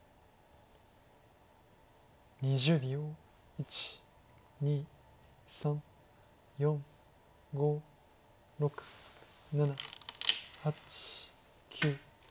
１２３４５６７８９。